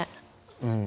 うん。